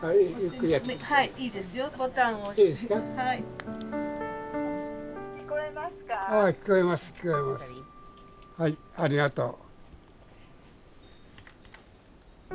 はいありがとう。